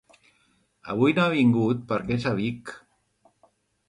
Avui no ha vingut perquè és a Vic.